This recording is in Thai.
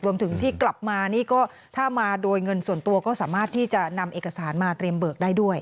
รวมถึงที่กลับมานี่ก็ถ้ามาโดยเงินส่วนตัวก็สามารถที่จะนำเอกสารมาเตรียมเบิกได้ด้วย